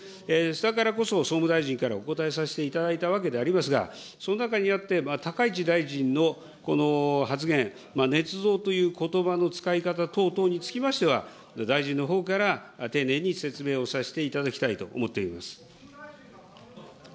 だからこそ、総務大臣からお答えさせていただいたわけでありますが、その中にあって、高市大臣のこの発言、ねつ造ということばの使い方等々につきましては、大臣のほうから丁寧に説明をさせていただきたいと思っております。